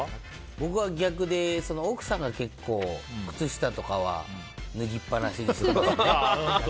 僕は逆で、奥さんが結構、靴下とかは脱ぎっぱなしにするんですね。